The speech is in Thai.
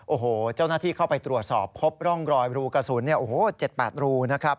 โอ้โหเจ้าหน้าที่เข้าไปตรวจสอบพบร่องรอยรูกระสุน๗๘รูนะครับ